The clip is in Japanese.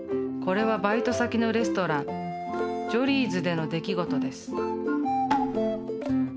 これはバイト先のレストランジョリーズでの出来事です。